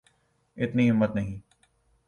اتنی ہمت نہیں۔